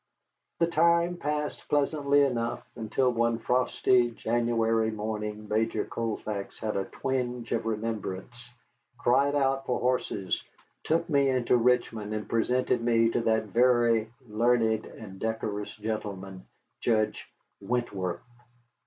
The time passed pleasantly enough until one frosty January morning Major Colfax had a twinge of remembrance, cried out for horses, took me into Richmond, and presented me to that very learned and decorous gentleman, Judge Wentworth.